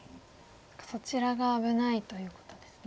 そちらが危ないということですね。